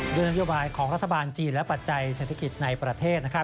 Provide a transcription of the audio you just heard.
นโยบายของรัฐบาลจีนและปัจจัยเศรษฐกิจในประเทศ